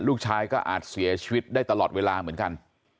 ลูกชายก็อาจเสียชีวิตได้ตลอดเวลาเหมือนกัน